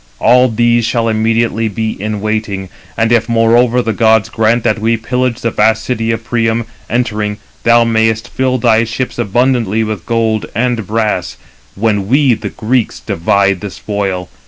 All these shall immediately be in waiting; and if, moreover, the gods grant that we pillage the vast city of Priam, entering, thou mayest fill thy ships abundantly with gold and brass, when we, the Greeks, divide the spoil.